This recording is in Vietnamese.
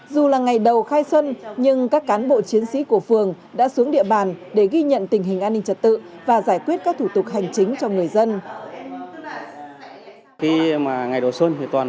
để ghi nhận tình hình an ninh trật tự và giải quyết các thủ tục hành chính cho người dân